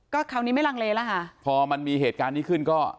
ก็คราวนี้ไม่รังเลพอมันมีเหตุการณ์ที่ขึ้น